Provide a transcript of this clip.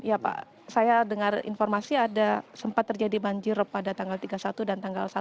ya pak saya dengar informasi ada sempat terjadi banjir pada tanggal tiga puluh satu dan tanggal satu